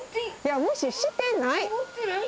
無視してない！